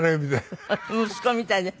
息子みたいね。